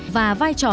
và vai trò